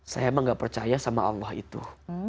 saya emang gak percaya sama allah itu